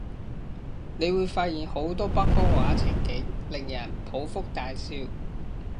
你會發現好多北方話情景，令人捧腹大笑